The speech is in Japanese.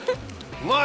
うまい！